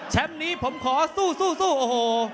แชมป์นี้ผมขอสู้สู้สู้โอ้โห